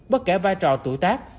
bất kể vai trò tụ tác